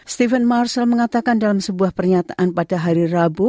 stephen marcel mengatakan dalam sebuah pernyataan pada hari rabu